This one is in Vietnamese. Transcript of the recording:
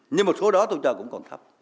nhưng một số đó tôi cho cũng còn thấp